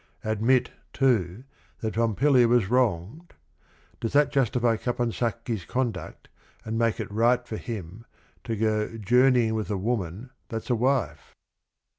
Admit, too, that Pompilia was wronged, does that justify Caponsacchi's conduct and make it right for him to " Go journeying with a woman that's a wife?"